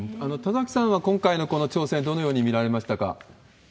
田崎さんは、今回のこの挑戦、どのように見られましたか？